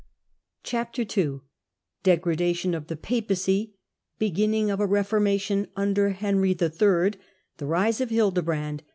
OHAPTEE IL DEGRADATIC^ OF THE PAPACY. BEGINNING OF A Kt FORBiATION UNDEB HENRY HI. THE RISE OF HILDE BRAND.